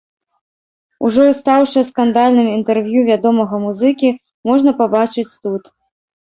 Ужо стаўшае скандальным інтэрв'ю вядомага музыкі можна пабачыць тут.